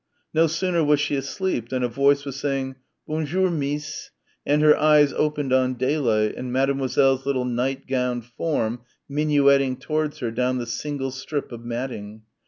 No sooner was she asleep than a voice was saying, "Bonjour, Meece," and her eyes opened on daylight and Mademoiselle's little night gowned form minuetting towards her down the single strip of matting.